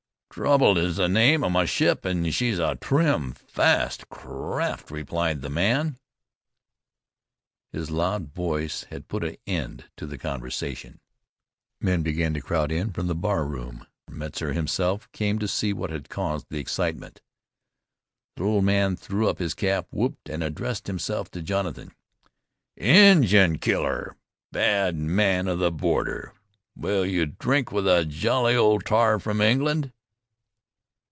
"Trouble is the name of my ship, and she's a trim, fast craft," replied the man. His loud voice had put an end to the convention. Men began to crowd in from the bar room. Metzar himself came to see what had caused the excitement. The little man threw up his cap, whooped, and addressed himself to Jonathan: "Injun killer, bad man of the border, will you drink with a jolly old tar from England?"